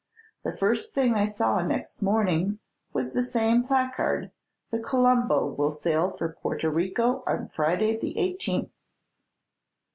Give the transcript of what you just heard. The first thing I saw next morning was the same placard, 'The "Colombo" will sail for Porto Rico on Friday, the eighteenth.'"